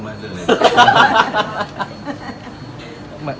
ผมไม่ได้เจอกันเลย